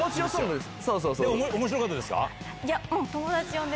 面白かったですか？